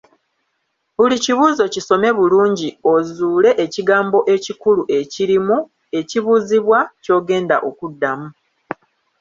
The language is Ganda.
Buli kibuuzo kisome bulungi, ozuule ekigambo ekikulu ekirimu, ekibuuzibwa, ky'ogenda okuddamu.